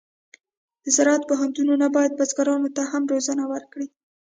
د زراعت پوهنتونونه باید بزګرانو ته هم روزنه ورکړي.